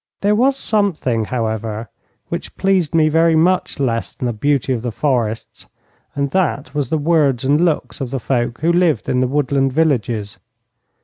There was something, however, which pleased me very much less than the beauty of the forests, and that was the words and looks of the folk who lived in the woodland villages.